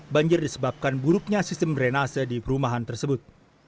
banjir disebabkan buruknya sistem drenase di perumahan tersebut